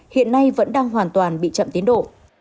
hiện nay vẫn đang hoàn toàn bị chậm tiến độ